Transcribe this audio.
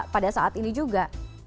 pada saat ini juga